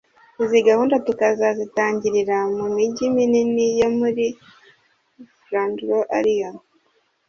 Izi gahunda tukazazitangirira mu mijyi minini yomuri Flandre ariyo